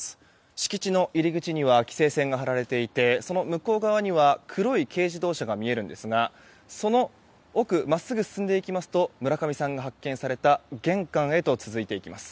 敷地の入り口には規制線が張られていてその向こう側には黒い軽自動車が見えるんですがその奥真っすぐ進んでいきますと村上さんが発見された玄関へと続いていきます。